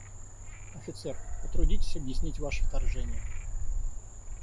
Офицер, потрудитесь объяснить ваше вторжение.